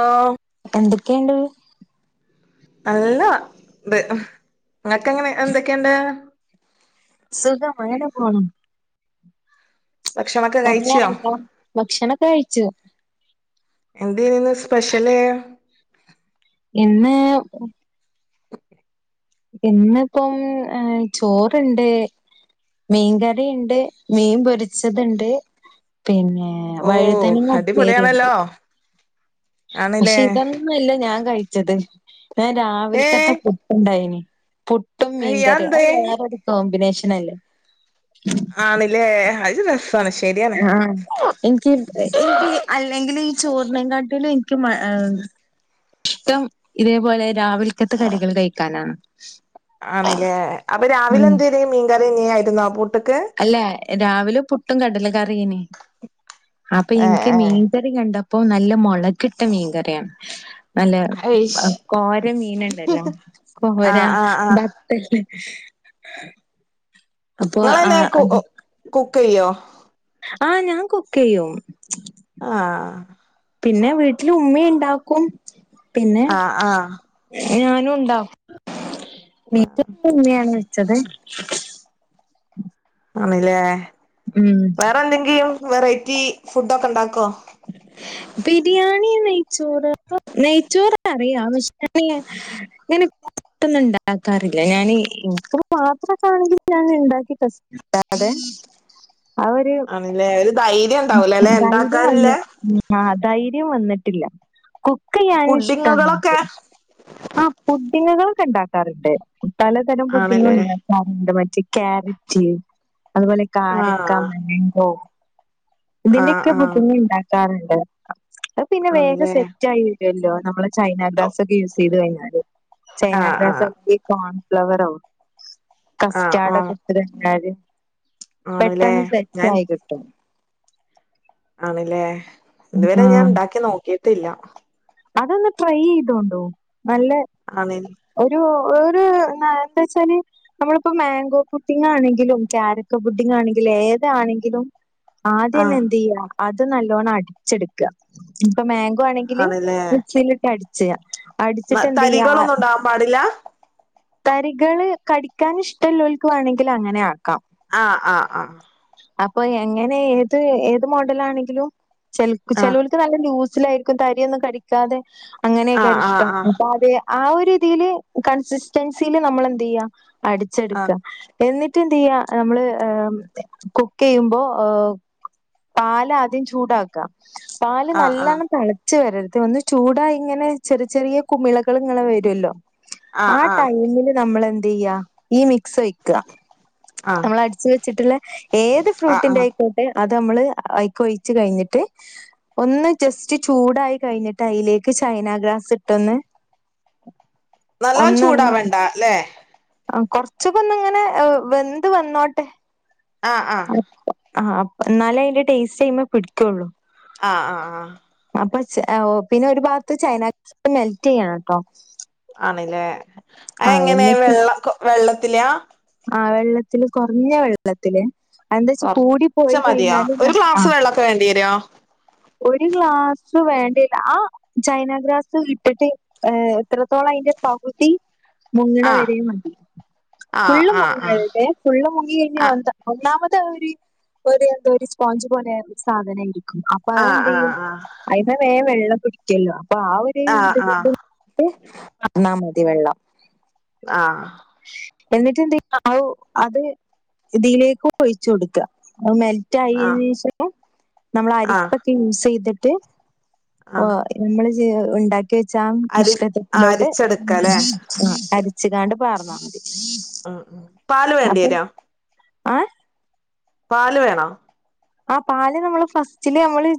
ആഹ് എന്തൊക്കെയുണ്ട് നല്ല ഇത് ഇങ്ങക്ക് എങ്ങനെ എന്തൊക്കെയ്ണ്ട്? സുഖമായി എടെ പോണം. ഭക്ഷണൊക്കെ കൊറല്ല കഴിച്ചോ ഭക്ഷണൊക്കെ കഴിച്ചു. എന്തിനെന്ന് സ്പെഷ്യല്? ഇന്ന്. [unintelligible] ഇന്നിപ്പം ചോറുണ്ട്. മീൻകറിണ്ട്, മീൻ പൊരിച്ചത്ണ്ട് പിന്നെ. ഓ വഴുതനങ്ങ ഉപ്പേരിണ്ട്. അടിപൊളിയാണല്ലോ ആണില്ലേ പക്ഷെ ഇതൊന്നുംല്ല ഞാൻ കഴിച്ചത് ഞാൻ ഏ രാവിലത്തത്തെ പുട്ടുണ്ടായിന്. പുട്ടും മീൻകറി അയ്യന്തേ അത് വേറോരു കോമ്പിനേഷനല്ലേ. ആണില്ലേ അ രസാണ് ശരിയാണ്. ആഹ്. എനിക്ക്, എനിക്ക് അല്ലെങ്കിലും ഈ ചോറിനെ കാട്ടിലും എനിക്ക് മ ഇഷ്ടം ഇതേപോലെ രാവിലതത്തെ കറികള് കഴിക്കാനാ. ആണല്ലേ അപ്പൊ രാവിലെ എന്തേലും മീൻകറി തന്നെ ആയിരുന്നോ ആ പൂട്ട്ക്ക്. അല്ല രാവിലെ പുട്ടും കടല കറിയനെ അപ്പൊ ഏ എനിക്ക് മീൻ. ഏ മീൻകറി കണ്ടപ്പോ നല്ല മുളകിട്ട മീൻകറിയാണ്. നല്ല അയ്ശ് കോര മീന്ണ്ടല്ലോ ആ കോര. ആ ആ [unintelligible] അപ്പൊ ആ നിങ്ങളെല്ല കു അത് കുക്കെയ്യോ? ആഹ് ഞാൻ കുക്കെയ്യും. ആഹ്. പിന്നെ വീട്ടില് ഉമ്മെണ്ടാക്കും പിന്നെ. ആ ആ ഞാനും ഉണ്ടാക്കും മീൻ കറി ഉമ്മയാണ് വച്ചത്. ആണല്ലേ ഉം വേറെ എന്തെങ്കിലും വെറൈറ്റി ഫുഡക്കെ ഉണ്ടാക്കോ? ബിരിയാണി നെയ്ച്ചോറ്, നെയ്ച്ചോറ് അറിയാം [unintelligible] ഞാന് പെട്ടന്ന് ഉണ്ടാക്കാറില്ല ഞാന് ഇത്ര മാത്രക്കണെങ്കിലും ഞാന്ണ്ടാക്കിട്ട്. [unintelligible] ആ ഒരു. ആണല്ലേ ഒരു ധൈര്യണ്ടാവൂലല്ലെ ഇണ്ടാക്കാറില്ലേ. ആഹ് ധൈര്യം വന്നിട്ടില്ല കുക്കെയ്യാനിഷ്ട പുഡിങ്ങുകളൊക്കെ ആഹ്. പുഡിങ് കൾക്കെ ഉണ്ടാക്കാറുണ്ട് പലതരം പുഡിങ് ആണല്ലേ ഉണ്ടാ റണ്ട് മറ്റേ ക്യാരറ്റ് അതുപോലെ ആഹ് കാരക്ക മാങ്കോ. ആഹ് ഇതിന്റെക്കെ ആഹ് പുഡിങ് ഉണ്ടാക്കാറുണ്ട് അ പിന്നെ വേഗം ആണല്ലേ സെറ്റ് ആയി വരുല്ലോ നമ്മള്. ചൈനാഗ്രാസക്കെ യൂസ് ചെയ്ത് കഴിഞ്ഞാല് ആഹ് ചൈനാഗ്രാസ് ആഹ് ഈ കോൺഫ്ലവർ ആവും. ആഹ് ആഹ് കസ്റ്റാടൊക്കെ ഇട്ടാല് ആണല്ലേ പെട്ടെന്ന് സെറ്റ് ഞാൻ ആയി കിട്ടും. ട്ടും. ആണല്ലേ ഇതുവരെ ഞാൻ ഉം ഉണ്ടാക്കി നോക്കിട്ടില്ല. അതൊന്ന് ട്രൈ ചെയ്തോളു നല്ല. ആണ്. ഒരു, ഒരു എന്താച്ചാല്. നമ്മളിപ്പോ മാങ്കോ പുഡിങ് ആണെങ്കിലും ക്യാരറ്റ് പുഡിങ്ങാണെങ്കിലും ഏതാണെങ്കിലും. ആദ്യന്നെ ആഹ് എന്ത് യ്യ അത് നല്ലോണ്ണം അടിച്ചെടുക്ക. ഇപ്പൊ മാംഗോ ആണെങ്കില് ആണല്ലേ മിക്സിയിലിട്ട് അടിച്ച അടിച്ചിട്ട് എന്ത് ചെയ്യ. തരികളൊന്നും ഉണ്ടാവാൻ പാടില്ല. തരികള് കടിക്കാൻ ഇഷ്ടല്ലോൽക്ക് വേണങ്കിൽ അങ്ങനെ ആക്കാം. ആഹ് ആഹ് ആഹ് അപ്പൊ എങ്ങനെ ഏത് ഏത് മോഡല ആണെങ്കിലും ചെൽക്ക് ആഹ് ചെലോൽ നല്ല ലൂസിലായിരിക്കും തട്യന്നും തടിക്കാതെ അങ്ങനെയൊക്കെ ആഹ് ഇഷ്ടം ആഹ് അപ്പ അത് ആഹ് ഒര് തില് കൺസിറ്റൻസില് നമ്മള് എന്തിയ്യാ ആഹ് അടിച്ചെടുക്ക എന്നിട്ട് എന്ത് ചെയ്യാ നമ്മള് കുക്ക് ചെയ്യുമ്പോ പാല് ആദ്യം ചൂടാക്ക പാല് ആഹ് ആഹ് ആഹ് നല്ലവണ്ണം തള ച്ച് വരരുത് ഒന്ന് ചൂടാ ഇങ്ങനെ ചെറിയ ചെറിയ കുമിളകൾ ഇങ്ങനെ വരുമല്ലോ ആഹ് ആ ആഹ് ആഹ് ടൈമില് നമ്മൾ എന്ത് ചെയ്യ ഈ മിക്സ് ഒയ് ക്ക ആഹ് നമ്മൾ അടിച്ച വെച്ചിട്ടുള്ള ഏത് ആഹ് ഫ്രൂട്ടിന്റെ ആഹ് ആയിക്കോട്ടെ അത് ത്ത് നമ്മള് ഐക്കൊഴിച്ച് കഴിഞ്ഞിട്ട് ഒന്ന് ജസ്റ്റ് ചൂടായി കഴിഞ്ഞിട്ട് അതിലേക്ക് ചൈനാ ഗ്രാസ് ഇട്ടൊന്ന് നല്ലോം ഒന്ന് ഒന്ന് ചൂടാവണ്ട അല്ലേ ആഹ് കൊർച്ചൊന്ന്ങ്ങനെ വെന്ത് വന്നോട്ടെ ആഹ് ആഹ് ആഹ് അഹ് എന്നാലേ അതിന്റെ ടേസ്റ്റ് ഐമേ പിടിക്കൊള്ളു ആഹ് ആഹ് ആഹ് അപ്പം ചെ ഒഹ് പിന്നെ ഒരു ഭാഗത്ത് ചൈന മെൽറ്റിയ്യണട്ടോ ആണ്ലേ അത് എങ്ങനെ വെള്ള കൊ വെള്ളത്തിലാ ആഹ് വെള്ളത്തില് കൊറഞ്ഞ വെള്ളത്തില് എന്താച്ച കൂടി കൊറച്ച് പോയി മതിയോ കഴിഞ്ഞാല് ഒരു ന്നഷ്ട്ടാ ഗ്ലാസ് വെള്ളൊക്കെ വേണ്ടി വരോ ഒരു ഗ്ലാസ് വേണ്ടേര്ല അഹ് ചൈനാഗ്രാസ് ഇട്ടിട്ട് എത്രത്തോളം അതിന്റെ പകുതി മുങ്ങ്ണെ ആഹ് വരെയും മതി ആഹ് ഫുള്ള് ആഹ് മുങ്ങര്തെ ഫുള്ള് മുങ്ങി കഴിഞ്ഞാ എന്താ ഒന്നാമത് ഒര് ഒര് എന്തോര് സ്പോഞ്ച് പോലെര്ന്ന സാധനായി അപ്പൊ ആഹ് ആഹ് അതെന്തിയ്യും ആഹ് ഐ മ്മേ വേം വെള്ളം പിടിക്കല്ലോ അപ്പ ആ ഒരു ഇത് കൊണ്ട് ആഹ് പാർന്നാ മതി വെള്ളം ആഹ് എന്നിട്ട് എന്തെ ആഹ് അവു അത് ഇതിലേക്ക് ഒഴിച്ചു കൊടുക്ക അത് മെൽ ആഹ് റ്റായേനേഷം നമ്മൾ ആഹ് അരിപ്പ ആഹ് ത്തിൻസീത്ട്ട് ആഹ് നമ്മള് ജെ ഉണ്ടാക്കി വെച്ച അരി ആഹ് ആമിശ്രിതത്തിലോട്ട് അരിച്ചെടുക്കല്ലേ അരച്ച്ങ്ങാണ്ട് പാർന്നാ മതി അഹ് പാല് അപ്പൊ വേണ്ടിര്യോ ആ പാല് വേണോ ആഹ് പാല് നമ്മള് ഫസ്റ്റില് നമ്മള്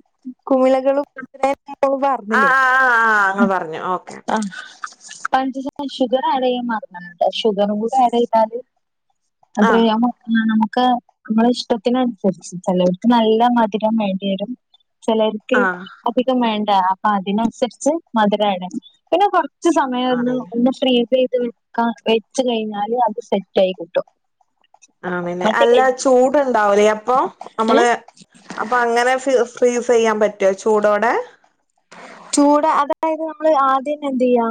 കുമിളകളും [unintelligible] ആഹ് പാർന്നിലെ ആഹ് ആഹ് ആഹ് ഇങ്ങള് പറഞ്ഞു ഓക്കെ ഉം ഓക്കെ ആഹ് [unintelligible] ഷുഗറ് ആഡിയ്യാൻ മറന്നിട്ടുണ്ട് ഷുഗറും കൂടെ ആഡ് ചെയ്താല് ആഹ് [unintelligible] നമുക്ക് നമ്മള് ഇഷ്ടത്തിന് അനുസരിച്ച് ചെലര്ക്ക് നല്ല മധുരം വേണ്ടി വരും ചെലര്ക്ക് ആഹ് ഒപ്പിക്കം വേണ്ട അപ്പ അതിനനുസരിച്ച് മധുരം ആഡിയ്യണം പിന്നെ കൊറച്ച് സമയൊന്ന് ആണ്ല്ലേ ഒന്ന് ഫ്രീസ് ചെയ്ത് വെക്ക വെച്ച് കഴിഞ്ഞാല് അത് സെറ്റായി കിട്ടും ആണല്ലെ മറ്റേ അല്ല ചൂട്ണ്ടാവുലേ അപ്പൊ നമ്മള് അപ്പ അങ്ങനെ ഫ്രി ഫ്രീസിയ്യാൻ പറ്റോ ചൂടോടെ ചൂട അതായത് നമ്മള് ആദ്യന്നെ എന്തിയ്യാ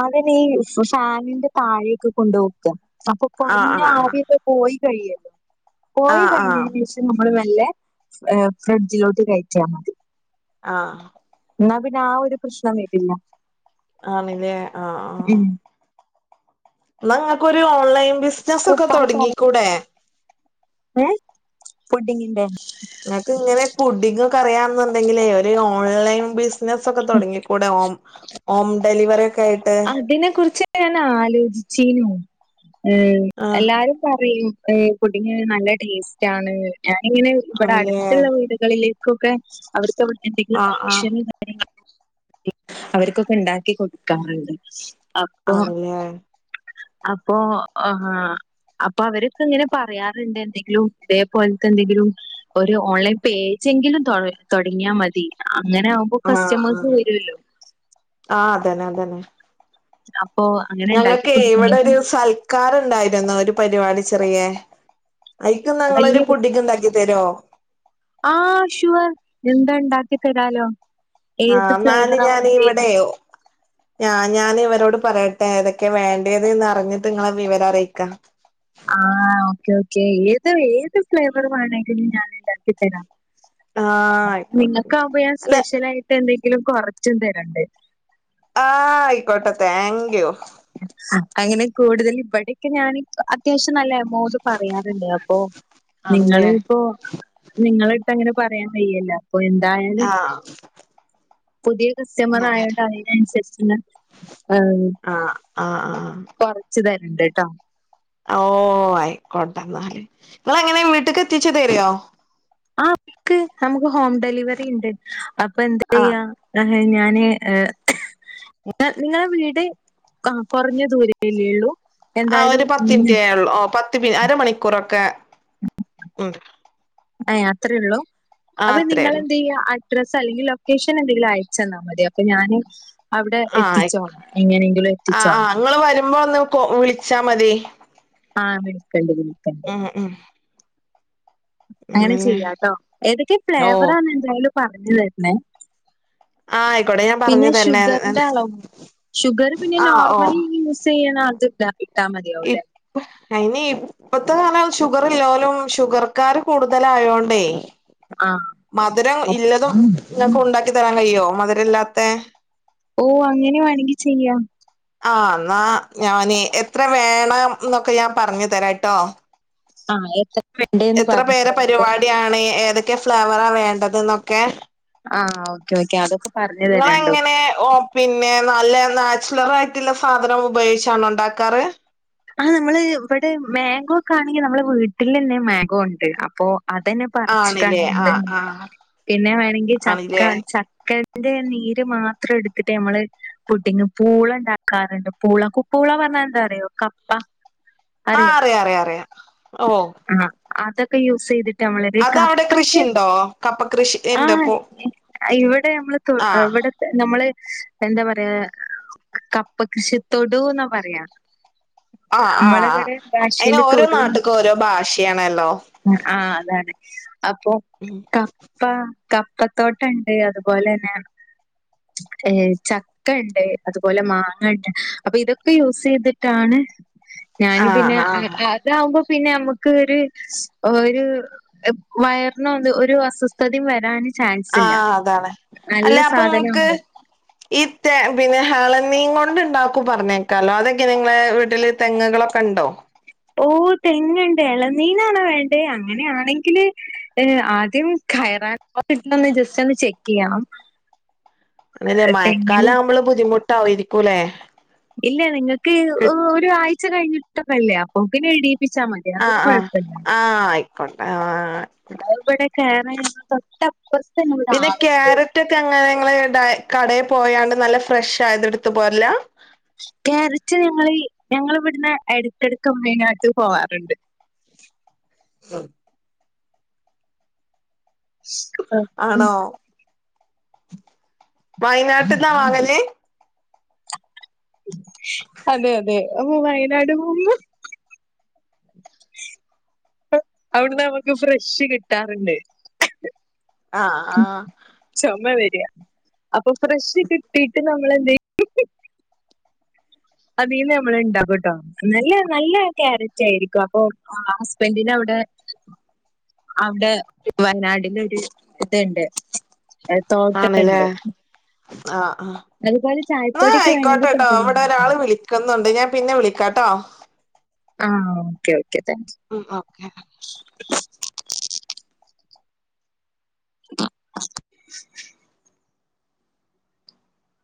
അതന്നെ ഈ ഫാനിന്റെ താഴേക്ക് കൊണ്ട് വെക്കാ അപ്പം ആഹ് കൊർഞ്ഞ ആഹ് ആവ്യൊക്കെ പോയി കഴിയല്ലോ ആഹ് പോയി ആഹ് ആഹ് കഴിഞ്ഞേനേഷം നമ്മള് മെല്ലെ ഫ്രിഡ്ജിലോട്ട് കയറ്റ്യാ മതി ആഹ് ഇന്നാ പിന്നെ ആ ഒരു പ്രശ്നം വരില്ല ആണിലെ ആഹ് ആഹ് ഉം ഇന്നാ ഇങ്ങക്കൊരു ഓൺലൈൻ ബിസിനസൊക്കെ തൊടങ്ങിക്കൂടെ ഏഹ് പുഡിങ്ങിന്റെ ഇങ്ങക്ക് ഇങ്ങനെ പുഡിങ്ങൊക്ക അറിയാന്നുണ്ടെങ്കിലേ ഒരു ഓൺലൈൻ ബിസ് നസൊക്കെ തൊടങ്ങി കൂടെ ഹോം ഹോം ഡെലിവറി ഒക്കെ ആയിട്ട് ഇതിനെ കുറിച്ച് ഞാൻ ആലോചിച്ചീനു ഉം ആഹ് എല്ലാരും പറയും ഏഹ് പുഡിങ്ങ് നല്ല ടേസ്റ്റാണ് ഞാനിങ്ങനെ ഇവിടെ ആണല്ലേ അടുത്തുള്ള വീടുകളിലേക്കൊക്കെ അവർക്കവിടെ എന്തെങ്കിലും ആഹ് ആഹ് ഫംഗ്ഷന് അവർക്കൊക്കെ ഉണ്ടാക്കി കൊടുക്കാറുണ്ട് ആണല്ലേ അപ്പോ ആഹ് അപ്പം അവരൊക്കെ ഇങ്ങനെ പറയാറുണ്ട് എന്തെങ്കിലും ഇതേപോലത്തെ എന്തെങ്കിലും ഒരു ഓൺലൈൻ പേജെങ്കിലും തൊടങ്ങിയാ മതി അങ്ങനെ ആവുമ്പം ആഹ് ആഹ് ആ അതന്നെ അതന്നെ അപ്പൊ അങ്ങനെ ഉണ്ടാക്കി ഞങ്ങക്കേ ഇവടെ കൊടുക്ക ഒരു സൽ ക്കാരണ്ടായിരുന്നു ഒരു പരിപാടി ചെറിയേ അയ്ക്ന്ന ഇങ്ങളൊരു വലിയ പുഡ്ഡ്ങ് ഇണ്ടാക്കി തരോ ആഹ് ഷുവർ എന്താ ഉണ്ടാക്കി തരാലോ ഏത് ആഹ് ഇന്നാല് ഫ്ലേവറാ ഞാന് വേണ്ടേന്ന് വെച്ച ഇവിടെയോ ഞാൻ ഞാന് ഇവരോട് പറയട്ടെ ഏതെക്കെ വേണ്ടേത് എന്ന് അറിഞ്ഞിട്ട് നിങ്ങളെ വിവരം അറിയിക്കാം ആഹ് ഓക്കേ ഓക്കേ ഏത് ഏത് ഫ്ലേവർ വേണമെങ്കിലും ഞാന് ഇണ്ടാക്കി തരാം ആഹ് ആയിക്കോട്ടെ എന്നാ നിങ്ങക്കാകുമ്പ ഞാൻ അല്ല സ്പെഷ്യലായിട്ട് എന്തെങ്കിലും കൊറച്ചും തരണ്ട് ആഹ് അയിക്കോട്ടെ താങ്ക്യു അങ്ങനെ കൂടുതല് ഇവിടെക്കെ ഞ്ഞാന് അത്യാവശ്യം നല്ല എമൌണ്ട് പറയാറുണ്ട് അപ്പൊ ആണല്ലേ നിങ്ങള് ഇപ്പോ നിങ്ങളട്ത്ത് അങ്ങനെ പറയാൻ വയ്യല്ല അപ്പൊ എന്തായാലും ആഹ് പുതിയ കസ്റ്റമർ അതെ ആയോണ്ട് അയിന അനുസരിച്ചുള്ള ആ ആഹ് ആഹ് അഹ് ആഹ് കൊറച്ച് തരണ്ട്ട്ടോ ഓഹ് അയിക്കോട്ടന്നാല് നിങ്ങെളെങ്ങനെ വീട്ടക്ക് എത്തിച്ചു തരോ ആഹ് വിളിക്ക് നമുക്ക് ഹോം ഡെലിവറിണ്ട് അപ്പൊ ആഹ് എന്തയ്യാ ഇങ്ങളെ ഞാന് നിങ്ങളെ വീട് കുറഞ്ഞ ദൂരല്ലേള്ളൂ ആഹ് ഒരു പത്ത്ൻറ്റ് ഒള്ളു ഓ പത്ത് മിനി അരമണിക്കൂറൊക്കെ ഉണ്ട് ആഹ് അത്രയ ഉള്ളൂ ആ അപ്പൊ അത്രേ ഉള്ളൂ നിങ്ങളെന്തയ്യാ അ ഡ്രസ്സ് അല്ലെങ്കിൽ ലൊക്കേഷൻ എന്തെങ്കിലും അയച്ചന്നാമതി അപ്പൊ ഞാന് അവിടെ എത്തിച്ചോള എങ്ങനെങ്കിലും എത്തിച്ചോണം ഇങ്ങള് വരുമ്പ ഒന്ന് കോൾ വിളിച്ചാ മതി ആഹ് വിളിക്കണ്ട് വിളിക്കണ്ട് ആഹ് ഉം. അങ്ങനെ ആണല്ലേ ചെയ്യാട്ടോ ഏതൊക്കെ ഓ ഫ്ലേവറാന്ന് എന്തായാലും പറഞ്ഞ് തര്ണെ. ആഹ് അയികൊ പിന്നെ ഷുഗറിന്റെ അളവും ഷുഗർ പിന്നെ ആഹ് ഓ നോർമൽ യൂസെയ്യ്ണെ അത് ട്ടാ മതിയാവും ല്ലേ. അയ്ന് ഇപ്പത്തെ കാലം ഷുഗറ്ല്ലോലും ഷുഗർക്കാര് കൂടുതല് ആയോണ്ടേ. ആഹ്. മധുരം ഇല്ലതും ഇങ്ങക്ക് ഉണ്ടാക്കി തരാൻ കഴിയോ മധുരല്ലാത്തെ. ഓഹ് അങ്ങനെ വേണെങ്കി ചെയ്യാ. ആഹ് ന്നാ ഞാൻ എത്ര വേണം ന്നൊക്കെ ഞാൻ പറഞ്ഞു തരാട്ടോ. ആഹ് എത് എത്ര പേരെ പരിപാടിയാണ് ഏതൊക്കെ ഫ്ലേവറാ വേണ്ടത് ന്നൊക്കെ. ആഹ് ഓക്കെ ഓക്കെ അതൊക്കെ പറഞ്ഞു തരാണ്ടോ ഇങ്ങളെങ്ങനെ ഓഹ് പിന്നെ നല്ല നാച്ചുറൽ ആയിട്ടുള്ള സാധനം ഉപയോഗിച്ചാണൊ ഉണ്ടാക്കാറ്? ആഹ് നമ്മള് ഇവടെ മാംഗോ ഒക്കെ ആണെങ്കി നമ്മളെ വീട്ടിലെന്നെ മാംഗോ ഉണ്ട്. അപ്പോ അതന്നെ പറിച്ചിട്ടാ ആണില്ലേ ആഹ് [unintelligible] ആഹ് പിന്നെ വേണെങ്കി ചക്ക ആണില്ലേ ചക്ക ന്റെ നീര് മാത്രം എടുത്തിട്ട് നമ്മള് പുഡിംങ് പൂള ണ്ടാക്കാറ്ണ്ട് പൂള കുപ്പൂള പറഞ്ഞാ എന്താറിയോ കപ്പ. ആഹ് അറിയോ അറിയാ അറിയാ അറിയാ ഓഹ് ആഹ് അതൊക്കെ യൂസെയ്ത് റ്റ് നമ്മളൊര് അതവിടെ കപ്പക്കെ കൃഷിണ്ടോ കപ്പ കൃഷി ഇണ്ട് പോ ആഹ് ഇവടെ നമ്മള് തൊ എഹ് ആഹ് ഇവടെ നമ്മള് എന്താ പറയാ കപ്പ കൃഷിത്തൊടു ന്നാ പറയാ. ആഹ് ആഹ് ആഹ്. നമ്മളവിടെ അയിന് ഭാഷയില് ഓരോ നാട്ട്ക്കും ഓരോ ഭാഷേണല്ലോ. ആഹ് അതാണ്. അപ്പൊ ക പ്പ കപ്പത്തോട്ടണ്ട് അതുപോലെന്നെ ഏഹ് ച ക്കണ്ട് അതുപോലെ മാങ്ങണ്ട് അപ്പൊ ഇതൊക്കെ യൂസ് ചെയ്തിട്ടാണ്. ഞാനു പിന്നെ ആഹ് അ ആഹ് അതാവുമ്പോ പിന്നെ നമ്മക്ക് ഒര് ഒരു വയറിനൊ ഒരു അസ്വസ്ഥതിം വരാന് ചാൻസ് ഇല്ല ആഹ് അതാണ്. അല്ല നല്ല അപ്പൊ ഇങ്ങക്ക് സാധനാവുമ്പോ ഈ തേ പിന്നെ ഹെളനീൻ കൊണ്ട് ഇണ്ടാക്കും പറഞ്ഞേക്കാലോ അതൊക്കെനെ ഇങ്ങളെ വീട്ടില് തെങ്ങുകളൊക്കെണ്ടോ? ഓഹ് തെങ്ങ് ണ്ട്. എളനീനാണോ വേണ്ടത് അങ്ങനെയാണെങ്കിൽ ഏഹ് ആദ്യം കയറാൻ ഹോസ്പിറ്റലൊന്ന് ജസ്റ്റ് ഒന്ന് ചെക്കെയ്യണം. ആണ് ലേ മഴക്കാലാവുമ്പളും ബുദ്ധിമുട്ടാവ്വേര്ക്കുലേ. ഇല്ല നിങ്ങക്ക് ഓ ഒരു ആഴ്ച കഴിഞ്ഞിട്ടൊക്കെ അല്ലേ അപ്പൊ പിന്നെ ഇടീപ്പിച്ചാ മതി. അതൊന്നും ആഹ് ആഹ് കുഴപ്പമില്ല ആഹ് ആയിക്കോട്ടെ ആഹ് ആയിക്കോട്ടെ. കേറ് തൊട്ട് അപ്പൊർ പിന്നെ ക്യാര റ്റൊക്കെ അങ്ങനെ ഇങ്ങള് ഡൈ കടേ പോയാണ്ട് നല്ല ഫ്രഷ് ആയത് ഇട്ത്ത് പോരലാ? ക്യാരറ്റ് ഞങ്ങളീ ഞങ്ങള് ഇവട്ന്ന് ഇടക്കെട്ക്ക് [unintelligible] നാട്ട് പോവാറുണ്ട്. ഉം ആണോ [unintelligible] വയനാട്ട്ന്നാ വാങ്ങല്? അതെ അതെ അപ്പൊ വയനാട് പോവുമ്പം [unintelligible] അവിടുന്ന് നമുക്ക് ഫ്രഷ് കിട്ടാറുണ്ട് ആഹ് ആഹ് ചുമ വരികാ അപ്പൊ ഫ്രഷ് കിട്ടീട്ട് നമ്മളെന്തു ചെയ്യും [unintelligible] അതീന്ന് നമ്മൾ ഉണ്ടാക്കും ട്ടോ നല്ല നല്ല ക്യാരറ്റ് ആയിരിക്കും അപ്പൊ ഹസ്ബന്റിന് അവിടെ [inaudible] അവ്ടെ വയനാടില് ഒരു ഇത്ണ്ട് ആണല്ലേ ആഹ് ആഹ് അതുപോലെ [unintelligible] ചായപ്പൊടിയൊക്കെ ആയിക്കോട്ടെ വേണമെങ്കിൽ കേട്ടോ ഇവിടെ പറഞ്ഞു ഒരാള് വിളിക്കുന്നുണ്ട് ഞാൻ പിന്നെ വിളിക്കാട്ടോ ആഹ് ഓക്കേ ഓക്കെ താങ്ക്സ് ഉം ഓക്കെ [inaudible] [inaudible]